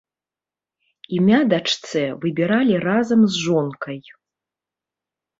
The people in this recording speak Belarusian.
Імя дачцэ выбіралі разам з жонкай.